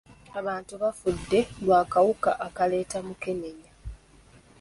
Abantu bafudde lwa kawuka akaleeta mukenenya.